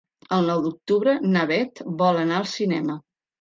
El nou d'octubre na Beth vol anar al cinema.